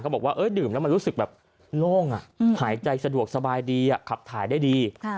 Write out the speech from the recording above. บอกว่าดื่มแล้วมันรู้สึกแบบโล่งหายใจสะดวกสบายดีขับถ่ายได้ดี